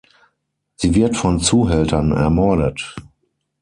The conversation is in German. Sie wird von Zuhältern ermordet.